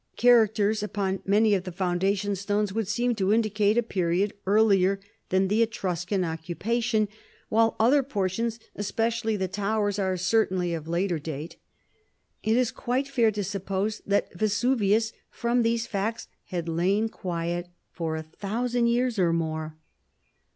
Characters upon many of the foundation stones would seem to indicate a period earlier than the Etruscan occupation; while other portions, especially the towers, are certainly of later date. It is quite fair to suppose that Vesuvius, from these facts, had lain quiet for a thousand years or more.